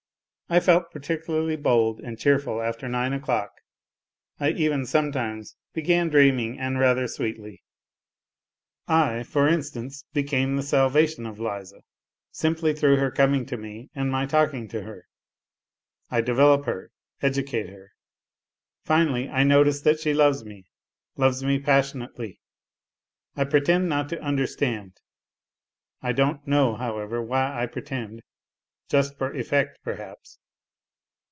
I felt particularly bold and cheerful after nine o'clock, I even sometimes began dreaming, and rather sweetly : I, for instance, became the salvation of Liza, simply through her coming to me and my talking to her. ... NOTES FROM UNDERGROUND 139 I develop her, educate her. Finally, I notice that she loves me, loves me passionately. I pretend not to understand (I don't know, however, why I pretend, just for effect, perhaps).